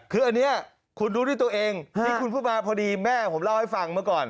คืออันนี้คุณรู้ด้วยตัวเองที่คุณพูดมาพอดีแม่ผมเล่าให้ฟังเมื่อก่อน